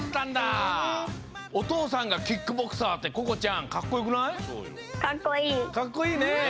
おとうさんがキックボクサーってここちゃんかっこよくない？かっこいいね！